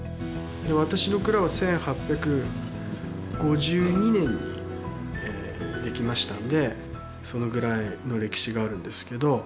私の蔵は１８５２年にできましたんでそのぐらいの歴史があるんですけど。